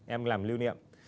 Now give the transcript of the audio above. em làm lưu niệm